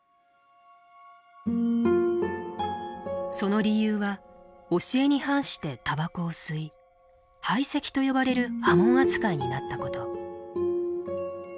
その理由は教えに反してたばこを吸い排斥と呼ばれる破門扱いになったこと。